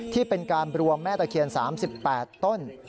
ที่เป็นการรวมแม่ตะเคียน๓๘ต้น